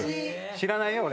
知らないよ、俺。